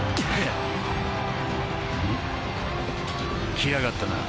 きやがったな。